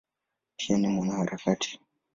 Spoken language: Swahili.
Pia ni mwanaharakati.